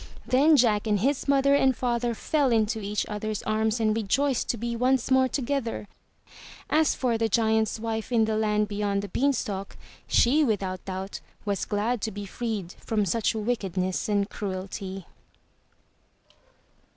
Then Jack and his mother and father fell into each other's arms and rejoiced to be once more together. As for the giant's wife in the land beyond the beanstalk, she without doubt was glad to be freed from such wickedness and cruelty.